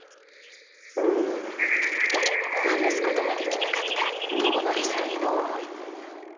誰にも話すことができなかった、智則さんへの思い。